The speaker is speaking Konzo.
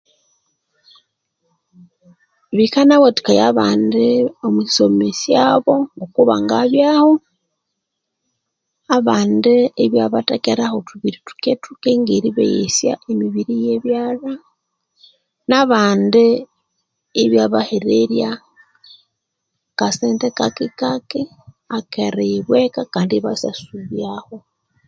Bikanawathiya abandi Omwisomeshabo kubangabyaho abandi ebyabathekeraho othubiri thukethuke ngeribeghesya emiri yebelha nabandi ibyabahererya kasente kaki kaki akariyibweka Kandi ibasyasubyaho